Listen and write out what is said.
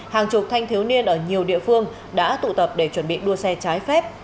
hàng chục thanh thiếu niên ở nhiều địa phương đã tụ tập để chuẩn bị đua xe trái phép